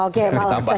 oke malam saja